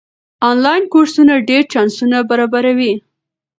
آنلاین کورسونه ډېر چانسونه برابروي.